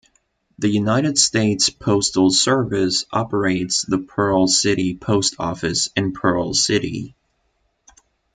The United States Postal Service operates the Pearl City Post Office in Pearl City.